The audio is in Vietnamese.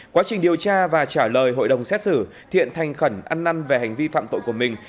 quá trình điều tra và trả lời hội đồng xét xử thiện thành khẩn ăn năn về hành vi phạm tội của mình